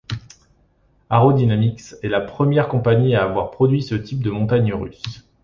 Arrow Dynamics est la première compagnie à avoir produit ce type de montagnes russes.